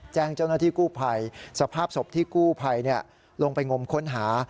แจ้งเจ้าหน้าที่กู้ภัยสภาพศพที่กู้ภัยลงไปงมค้นหา